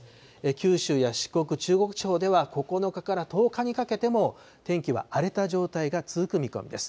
九州や四国、中国地方では９日から１０日にかけても、天気は荒れた状態が続く見込みです。